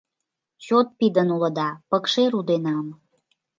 Чот пидын улыда, пыкше руденам.